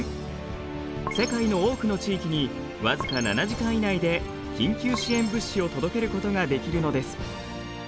世界の多くの地域に僅か７時間以内で緊急支援物資を届けることができるのです。